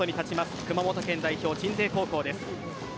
熊本県代表・鎮西高校です。